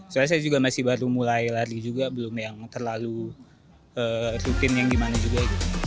soalnya saya juga masih baru mulai lari juga belum yang terlalu rutin yang gimana juga